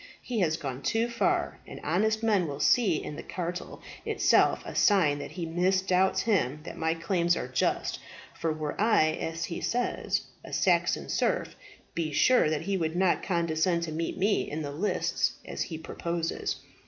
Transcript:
He has gone too far, and honest men will see in the cartel itself a sign that he misdoubts him that my claims are just; for were I, as he says, a Saxon serf, be sure that he would not condescend to meet me in the lists as he proposes.